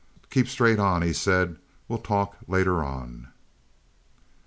"Keep straight on," he said. "We'll talk later on."